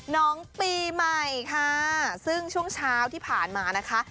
น้องปีใหม่ค่ะซึ่งช่วงเช้าที่ผ่านมานะคะ